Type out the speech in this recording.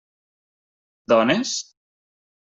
Dones?